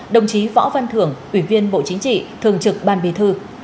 đồng chí võ văn thưởng ủy viên bộ chính trị thường trực ban bí thư